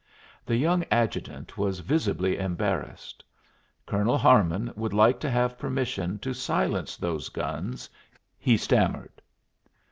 The young adjutant was visibly embarrassed. "Colonel Harmon would like to have permission to silence those guns," he stammered.